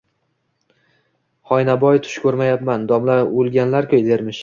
Hoynahoy tush ko‘ryapman, domla o‘lganlar-ku, dermish.